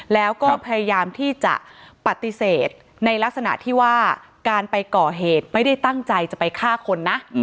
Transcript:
แล้วก็พยายามที่จะปฏิเสธในลักษณะที่ว่าการไปก่อเหตุไม่ได้ตั้งใจจะไปฆ่าคนนะ